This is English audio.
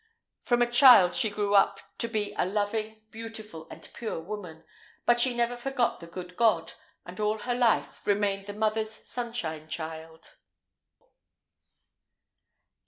From a child she grew up to be a loving, beautiful, and pure woman. But she never forgot the good God, and, all her life, remained the mother's sunshine child.